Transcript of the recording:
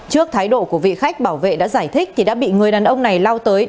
trước thái độ của vị khách bảo vệ đã giải thích thì đã bị người đàn ông này lao tới